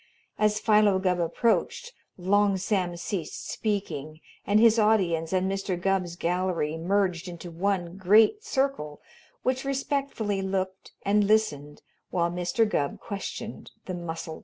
As Philo Gubb approached, Long Sam ceased speaking, and his audience and Mr. Gubb's gallery merged into one great circle which respectfully looked and listened while Mr. Gubb questioned the mussel dredger.